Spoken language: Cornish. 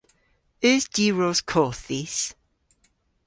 Eus diwros koth dhis?